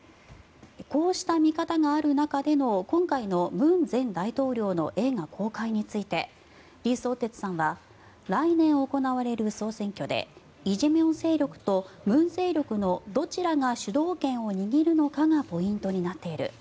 こうした見方がある中での今回の文前大統領の映画公開について李相哲さんは来年行われる総選挙でイ・ジェミョン勢力と文勢力のどちらが主導権を握るのかがポイントになっている。